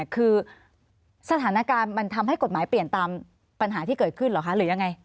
คือสถานการณ์มันทำให้กฎหมายเปลี่ยนตามปัญหาที่เกิดขึ้นเหรอคะหรือยังไง